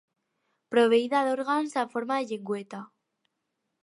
Proveïda d'òrgans amb forma de llengüeta.